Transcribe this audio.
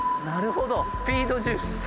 なるほどスピード重視。